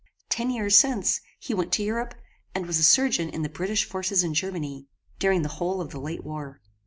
Ten years since, he went to Europe, and was a surgeon in the British forces in Germany, during the whole of the late war.